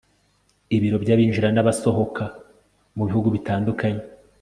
ibiro by abinjira n abasohoka mubihugu bitandukanye